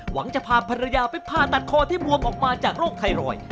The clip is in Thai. จะพาภรรยาไปผ่าตัดคอที่บวมออกมาจากโรคไทรอยด์